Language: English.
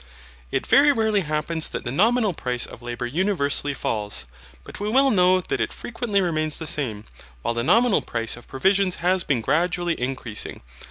It very rarely happens that the nominal price of labour universally falls, but we well know that it frequently remains the same, while the nominal price of provisions has been gradually increasing.